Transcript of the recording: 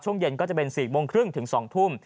ช่วงเย็นก็จะเป็น๔โมงครึ่งถึง๒ทุ่ม